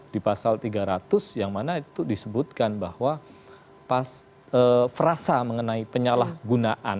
di pasal tiga ratus yang mana itu disebutkan bahwa frasa mengenai penyalahgunaan